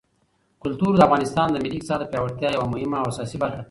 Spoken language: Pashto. کلتور د افغانستان د ملي اقتصاد د پیاوړتیا یوه مهمه او اساسي برخه ده.